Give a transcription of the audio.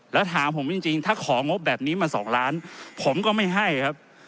แล้วถามผมจริงถ้าของงบแบบนี้มา๒ล้านผมก็ไม่ให้ครับ